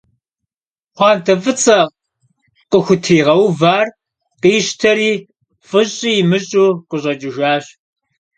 Пхъуантэ фӀыцӀэ къыхутригъэувар къищтэри, фӀыщӀи имыщӀу къыщӀэкӀыжащ.